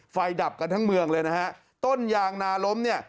ดับกันทั้งเมืองเลยนะฮะต้นยางนาล้มเนี่ย